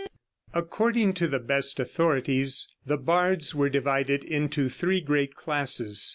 ] According to the best authorities the bards were divided into three great classes.